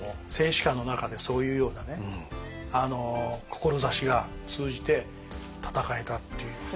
選手間の中でそういうようなね志が通じて戦えたっていう。